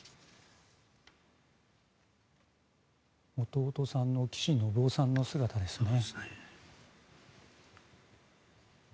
弟さんの岸信夫さんの姿ですね。